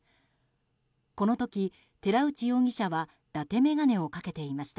この時、寺内容疑者はだて眼鏡をかけていました。